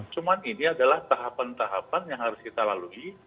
cuma ini adalah tahapan tahapan yang harus kita lalui